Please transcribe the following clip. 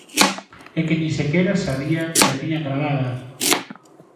E que nin sequera sabían que a tiñan gravada.